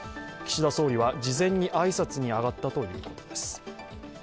岸田総理は事前に挨拶に上がったということです。